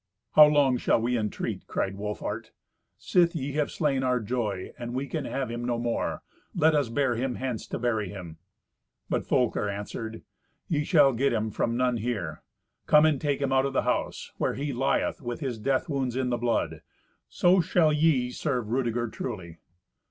"How long shall we entreat?" cried Wolfhart. "Sith ye have slain our joy, and we can have him no more, let us bear him hence to bury him." But Folker answered, "Ye shall get him from none here. Come and take him out of the house, where he lieth with his death wounds in the blood. So shall ye serve Rudeger truly."